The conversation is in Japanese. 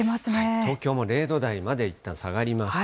東京も０度台までいったん下がりました。